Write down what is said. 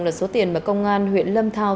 là số tiền mà công an huyện lâm thao